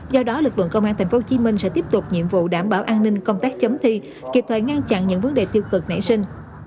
do đó lực lượng công an tp hcm sẽ tiếp tục nhiệm vụ đảm bảo an ninh công tác chấm thi kịp thời ngăn chặn những vấn đề tiêu cực nảy sinh